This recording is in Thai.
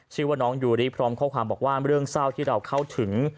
ชื่อว่าน้องยูริพร้อมข้อความบอกว่าเรื่องเศร้าที่เราเข้าถึง